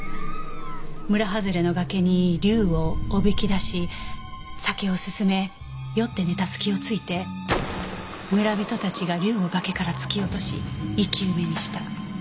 村はずれの崖に竜をおびき出し酒を勧め酔って寝た隙をついて村人たちが竜を崖から突き落とし生き埋めにした。